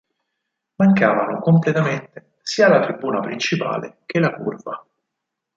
Mancavano completamente sia la tribuna principale che la curva.